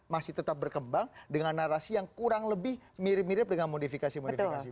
masih tetap berkembang dengan narasi yang kurang lebih mirip mirip dengan modifikasi modifikasi